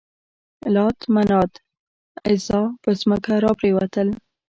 لات، منات، عزا پر ځمکه را پرېوتل.